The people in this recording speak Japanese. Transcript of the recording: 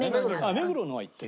目黒のは行ってた。